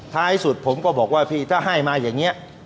ท้ายสุดผมก็บอกว่าพี่ถ้าให้มาอย่างนี้